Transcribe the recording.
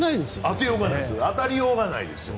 当たりようがないですよ。